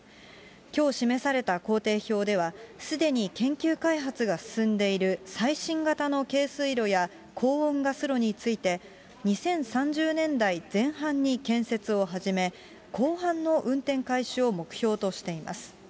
きょう示された行程表では、すでに研究開発が進んでいる最新型の軽水炉や高温ガス炉について、２０３０年代前半に建設を始め、後半の運転開始を目標としています。